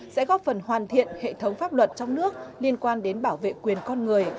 sẽ góp phần hoàn thiện hệ thống pháp luật trong nước liên quan đến bảo vệ quyền con người